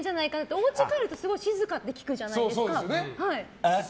おうちに帰るとすごい静かって聞くじゃないですか。